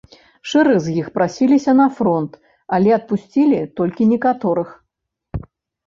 Шэраг з іх прасіліся на фронт, але адпусцілі толькі некаторых.